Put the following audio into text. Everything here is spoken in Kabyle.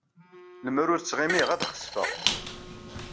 Lemmer ur ttɣimiɣ, ad xesfeɣ.